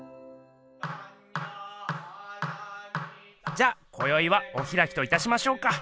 じゃこよいはおひらきといたしましょうか？